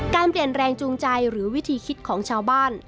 การเปลี่ยนแปลงจูงใจหรือวิธีคิดของชาวบ้าน